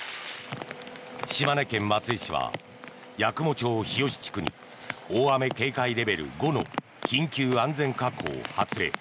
島根県松江市は八雲町日吉地区に大雨警戒レベル５の緊急安全確保を発令。